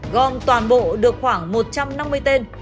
gom toàn bộ được khoảng một trăm năm mươi tên